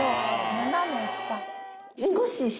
斜め下。